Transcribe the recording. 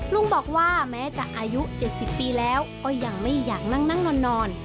ลุงบอกว่าแม้จะอายุ๗๐ปีแล้วก็ยังไม่อยากนั่งนอน